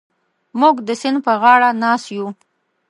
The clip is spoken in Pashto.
موږ د سیند پر غاړه ناست یو.